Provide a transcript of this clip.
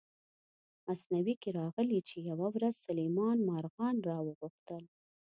مثنوي کې راغلي چې یوه ورځ سلیمان مارغان را وغوښتل.